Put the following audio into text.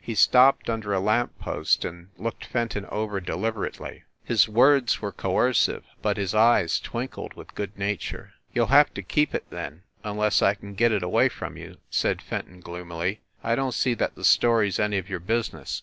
He stopped under a lamp post, and looked Fenton over deliberately. His THE REPORTER OF "THE LT&M." 101 words were coercive, but his eyes twinkled with good nature. "You ll have to keep it, then, unless I can get it away from you," said Fenton gloomily. "I don t see that the story s any of your business."